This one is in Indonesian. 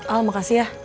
al makasih ya